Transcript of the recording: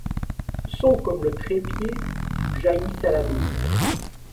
Sont comme le trépied d’où jaillit Salamine ;